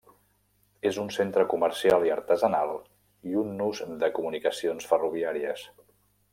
És un centre comercial i artesanal i un nus de comunicacions ferroviàries.